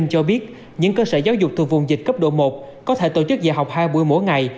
cho biết những cơ sở giáo dục từ vùng dịch cấp độ một có thể tổ chức dạy học hai buổi mỗi ngày